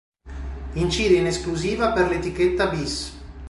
Incide in esclusiva per l’etichetta Bis.